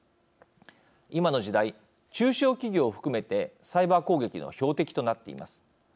今の時代、中小企業を含めてサイバー攻撃の標的となっています。